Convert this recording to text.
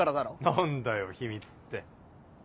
何だよ秘密って。